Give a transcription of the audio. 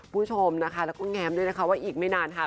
คุณผู้ชมนะคะแล้วก็แง้มด้วยนะคะว่าอีกไม่นานค่ะ